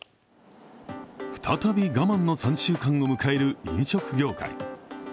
再び我慢の３週間を迎える飲食業界。